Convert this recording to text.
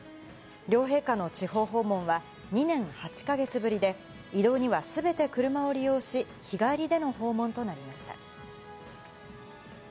両陛下の地方訪問は、２年８か月ぶりで、移動にはすべて車を利用し、日帰りでの訪問となりました。